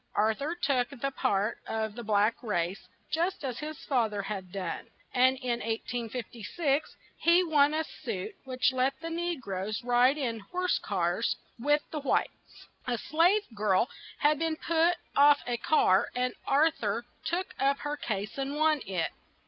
Ar thur took the part of the black race, just as his fa ther had done, and in 1856, he won a suit which let the ne groes ride in horse cars with the whites. A slave girl had been put off a car and Ar thur took up her case and won it.